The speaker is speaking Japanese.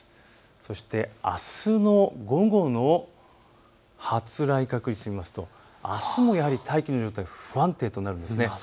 そしてあすの午後の発雷確率を見ますとあすもやはり大気の状態、不安定となるんです。